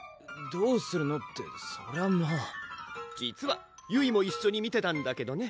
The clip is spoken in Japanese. どうするのってそれはまぁ実はゆいも一緒に見てたんだけどね